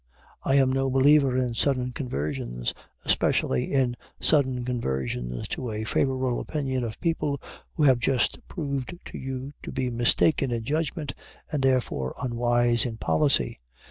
I am no believer in sudden conversions, especially in sudden conversions to a favorable opinion of people who have just proved you to be mistaken in judgment and therefore unwise in policy.